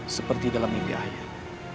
seperti dalam mimpi ayah